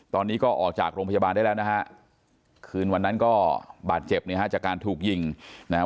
ตอนนี้ก็ออกจากโรงพยาบาลได้แล้วนะฮะคืนวันนั้นก็บาดเจ็บเนี่ยฮะจากการถูกยิงนะฮะ